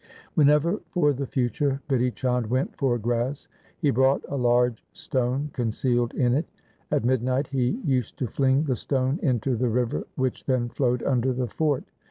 Whenever for the future Bidhi Chand went for grass he brought a large stone concealed in it. At midnight he used to fling the stone into the river which then flowed under the fort.